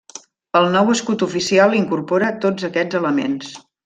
El nou escut oficial incorpora tots aquests elements.